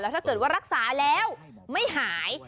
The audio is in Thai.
ถ้าเกิดว่ารักษาแล้วไม่หาย